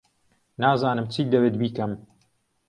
نازانم چیت دەوێت بیکەم.